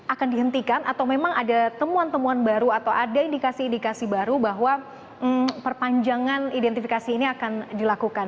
akan dihentikan atau memang ada temuan temuan baru atau ada indikasi indikasi baru bahwa perpanjangan identifikasi ini akan dilakukan